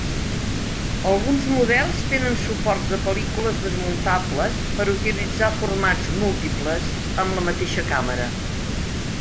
Alguns models tenen suports de pel·lícules desmuntables per utilitzar formats múltiples amb la mateixa càmera.